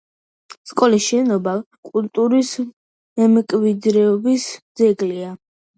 სკოლის შენობა კულტურის მემკვიდრეობის ძეგლია.